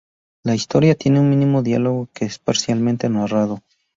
La historia tiene un mínimo diálogo que es parcialmente narrado.